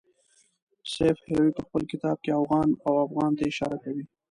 سیف هروي په خپل کتاب کې اوغان او افغان ته اشاره کوي.